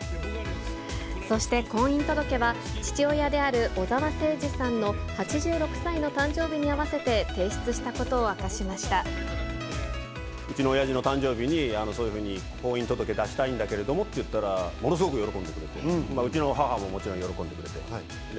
そして婚姻届は、父親である小澤征爾さんの８６歳の誕生日に合わせて、提出したこうちのおやじの誕生日に、そういうふうに婚姻届出したいんだけれどもって言ったら、ものすごく喜んでくれて、うちの母ももちろん喜んでくれて。